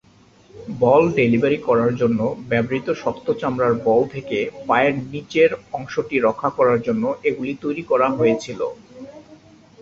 বল delivery করার জন্য ব্যবহৃত শক্ত চামড়ার বল থেকে পায়ের নীচের অংশটি রক্ষা করার জন্য এগুলি তৈরি করা হয়েছিল।